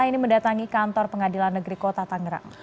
ini mendatangi kantor pengadilan negeri kota tangerang